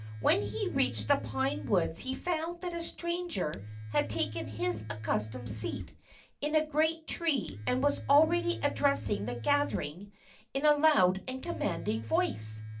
When he reached the pine woods he found that a stranger had taken his accustomed seat in a great tree and was already addressing the gathering in a loud and commanding voice.